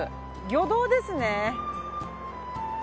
魚道ですね。